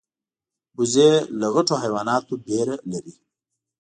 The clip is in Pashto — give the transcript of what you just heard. وزې له غټو حیواناتو ویره لري